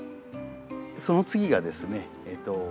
その次がですね